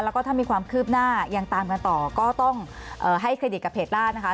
แล้วก็ถ้ามีความคืบหน้ายังตามกันต่อก็ต้องให้เครดิตกับเพจล่านะคะ